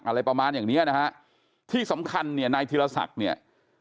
อะไรประมาณอย่างนี้นะฮะที่สำคัญนายธิรษักษ์เนี่ย